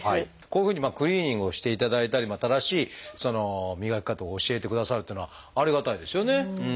こういうふうにクリーニングをしていただいたり正しい磨き方を教えてくださるというのはありがたいですよね。